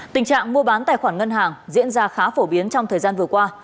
tình trạng mua bán tài khoản ngân hàng diễn ra khá phổ biến trong thời gian vừa qua